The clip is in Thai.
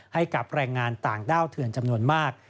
ให้กับแรงงานต่างด้าวเถื่อนจำนวนมาก